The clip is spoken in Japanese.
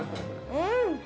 うん。